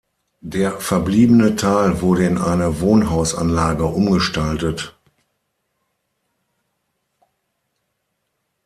Der verbliebene Teil wurde in eine Wohnhausanlage umgestaltet.